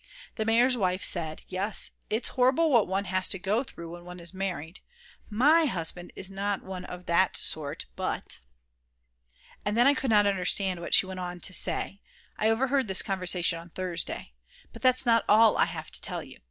The mayor's wife said: "Yes, it's horrible what one has to go through when one is married. My husband is not one of that sort but " And then I could not understand what she went on to say I overheard this conversation on Thursday. But that's not all I have to tell you.